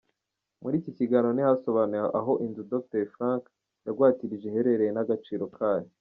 Muri iki kiganiro ntihasobanuwe aho inzu Dr Frank yagwatirije iherereye n’agaciro kayo.